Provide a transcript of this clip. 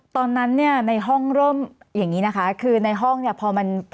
ตอนนั้นเนี่ยในห้องเริ่มอย่างนี้นะคะคือในห้องเนี่ยพอมัน